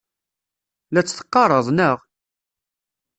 La tt-teqqareḍ, naɣ?